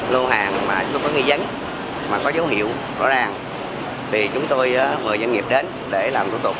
lô hàng mà không có nghi dấn mà có dấu hiệu rõ ràng thì chúng tôi mời doanh nghiệp đến để làm thủ tục